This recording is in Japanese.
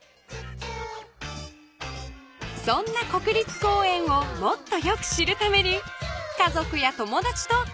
そんな国立公園をもっとよく知るために家族やともだちと出かけてみよう。